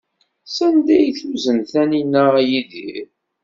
Sanda ay tuzen Taninna Yidir?